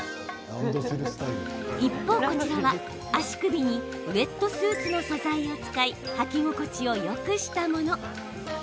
一方こちらは足首にウエットスーツの素材を使い履き心地をよくしたもの。